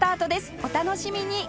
お楽しみに！